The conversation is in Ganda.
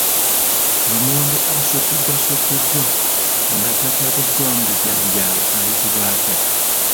Lumonde asotteddwasoteddwa nga tatabuddwamu bijanjaalo ayitibwa atya?